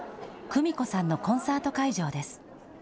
クミコさんのコンサート会場です。